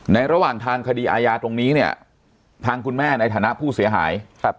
ระหว่างทางคดีอาญาตรงนี้เนี่ยทางคุณแม่ในฐานะผู้เสียหาย